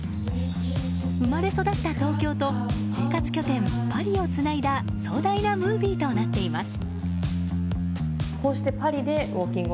生まれ育った東京と生活拠点パリをつないだ壮大なムービーとなっています。